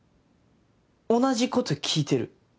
同じこと聞いてる。